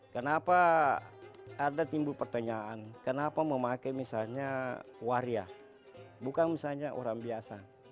kenapa ada timbul pertanyaan kenapa memakai misalnya waria bukan misalnya orang biasa